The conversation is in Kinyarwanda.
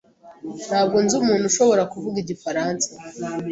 Ntabwo nzi umuntu ushobora kuvuga igifaransa.